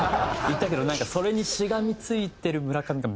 ２．３いったけどなんかそれにしがみついてる村上が。